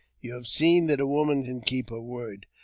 You have seen that a woman can keep her word.